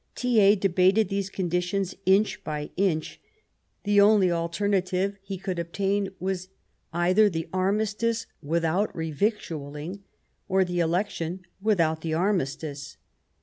Thiers debated these conditions inch by inch ; the 143 Bismarck only alternative he could obtain was either the armistice without re victualling, or the election without the armistice.